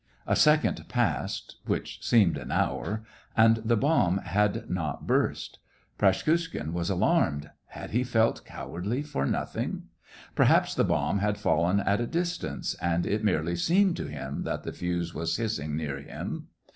A second passed, which seemed an hour — and the bomb had not burst. Praskukhin was alarmed ; had he felt cowardly for nothing } Perhaps the bomb had fallen at a distance, and it merely seemed to him that the fuse was hissing near him.